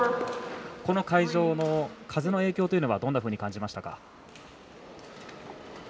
この会場の風の影響というのはどんなふうに感じましたか？